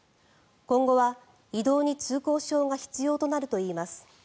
今後は移動に通行証が必要となるといいます。